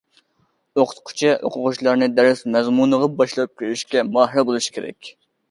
ئوقۇتقۇچى ئوقۇغۇچىلارنى دەرس مەزمۇنىغا باشلاپ كىرىشكە ماھىر بولۇشى كېرەك.